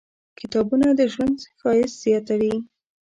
کتابونه د ژوند ښایست زیاتوي.